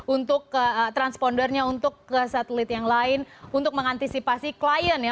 untuk transpondernya untuk ke satelit yang lain untuk mengantisipasi klien ya